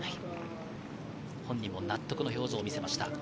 本人も納得の表情を見せました。